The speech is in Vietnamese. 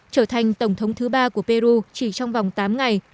trở thành tổng thống thứ ba của peru chỉ trong vòng tám ngày